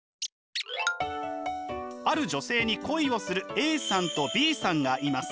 ある女性に恋をするＡさんとＢさんがいます。